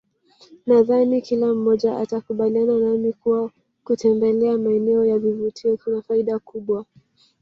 Nadhani kila mmoja atakubaliana nami kuwa kutembelea maeneo ya vivutio kuna faida kubwa